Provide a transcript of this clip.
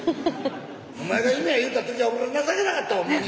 お前が夢や言った時は俺情けなかったほんまに。